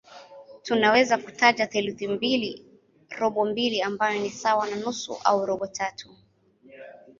Tunaweza kutaja theluthi mbili, robo mbili ambayo ni sawa na nusu au robo tatu.